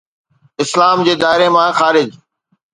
اسلام جي دائري مان خارج